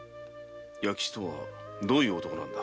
弥吉とはどういう男なのだ？